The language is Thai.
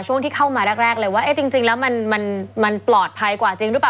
ช่วงที่เข้ามาแรกเลยว่าจริงแล้วมันปลอดภัยกว่าจริงหรือเปล่า